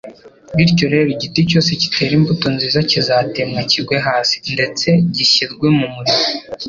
bityo rero igiti cyose kitera imbuto nziza kizatemwa kigwe hasi, ndetse gishyirwe mu muriro.